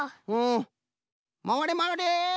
まわれまわれ。